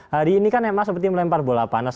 hari ini kan ma seperti melempar bola panas